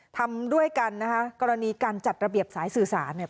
ทำด้วยกันนะคะกรณีการจัดระเบียบสายสื่อสารเนี่ย